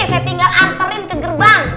saya tinggal anterin ke gerbang